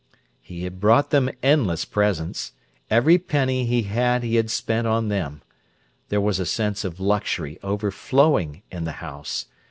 He had brought them endless presents. Every penny he had he had spent on them. There was a sense of luxury overflowing in the house.